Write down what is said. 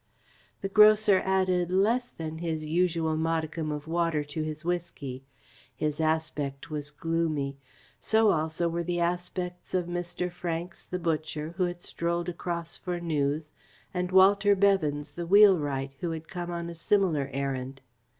The grocer added less than his usual modicum of water to his whisky. His aspect was gloomy. So also were the aspects of Mr. Franks, the butcher, who had strolled across for news, and Walter Beavens, the wheelwright, who had come on a similar errand.